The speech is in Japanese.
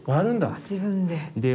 自分で。